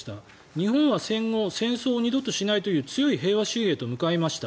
日本は戦後戦争を二度としないという強い平和主義へと向かいました。